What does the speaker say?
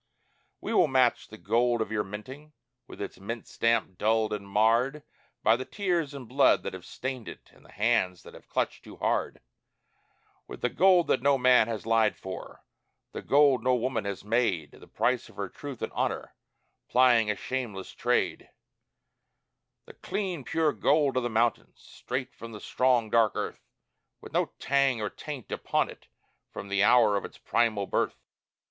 We will match the gold of your minting, with its mint stamp dulled and marred By the tears and blood that have stained it and the hands that have clutched too hard, With the gold that no man has lied for the gold no woman has made The price of her truth and honor, plying a shameless trade The clean, pure gold of the mountains, straight from the strong, dark earth, With no tang or taint upon it from the hour of its primal birth.